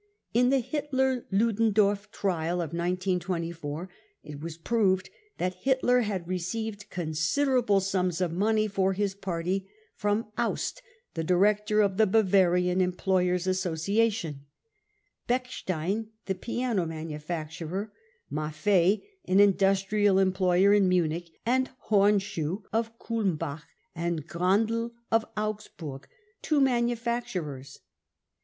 In the Hitler Ludendorff trial of 1924 it was proved that Hitler had received considerable sums of money fftr his party from Aust, the director of the Bavarian Employers 5 Association ; Bechstein, the piano manufacturer ; Maffei, an industrial employer in Munich ; and Hornschuh of Kulmbach, and Grandel of Augsburg, two manufacturers.